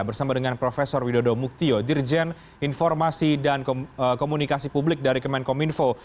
bersama dengan prof widodo muktio dirjen informasi dan komunikasi publik dari kemenkominfo